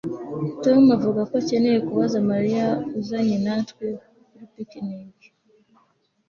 Tom avuga ko akeneye kubaza Mariya uzanye natwe kuri picnic